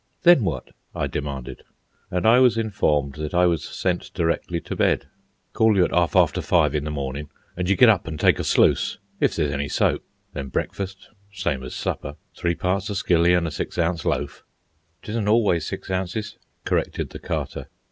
"Then what?" I demanded And I was informed that I was sent directly to bed. "Call you at half after five in the mornin', an' you get up an' take a 'sluice'—if there's any soap. Then breakfast, same as supper, three parts o' skilly an' a six ounce loaf." "'Tisn't always six ounces," corrected the Carter.